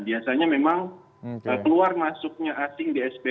biasanya memang keluar masuknya asing di spn itu memang tidak terlalu dominan